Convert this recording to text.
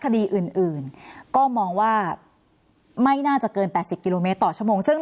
คดีอื่นก็มองว่าไม่น่าจะเกิน๘๐กิโลเมตรต่อชั่วโมงซึ่ง